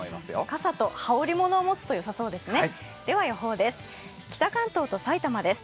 傘と羽織り物を持つとよさそうですね。